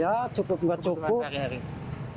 ya cukup nggak cukup